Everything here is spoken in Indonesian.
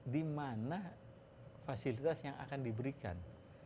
di mana fasilitas yang akan diberikan